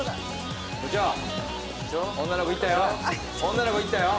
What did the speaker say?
女の子行ったよ。